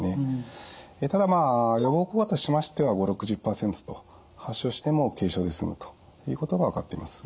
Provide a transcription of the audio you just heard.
ただ予防効果としましては５０６０％と発症しても軽症で済むということが分かっています。